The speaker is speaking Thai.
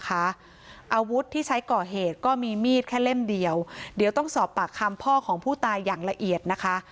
อาวุธที่ใช้ก่อเหตุก็มีมีดแค่เล่มเดียวเดี๋ยวต้องสอบปากคำพ่อของผู้ตายอย่างละเอียดนะคะ